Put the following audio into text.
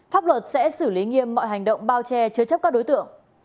pháp luật sẽ xử lý nghiêm mọi hành động bao che chứa chấp các đối tượng